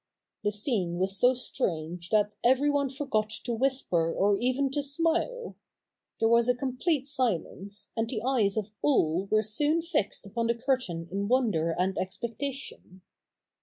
The scene was so strange that everyone forgot to whisper or even to smile. There was a complete silence, and the eyes of all were soon fixed upon the curtain in wonder and expectation.